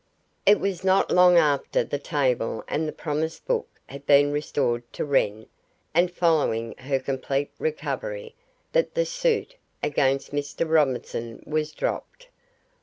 It was not long after the table and the promise book had been restored to Wren, and following her complete recovery, that the suit against Mr. Robinson was dropped.